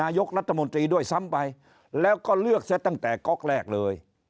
ยกรัฐมนตรีด้วยซ้ำไปแล้วก็เลือกเสียตั้งแต่ก๊อกแรกเลย